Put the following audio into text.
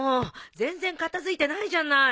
全然片付いてないじゃない。